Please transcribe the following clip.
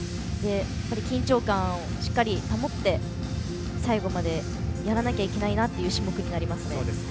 緊張感をしっかり保って最後まで、やらなきゃいけないなっていう種目になりますね。